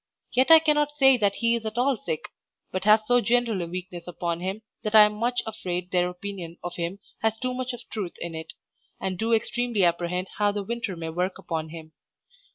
Yet I cannot say that he is at all sick, but has so general a weakness upon him that I am much afraid their opinion of him has too much of truth in it, and do extremely apprehend how the winter may work upon him.